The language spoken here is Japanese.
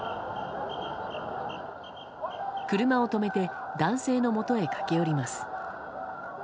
車を止めて男性のもとへ駆け寄ります。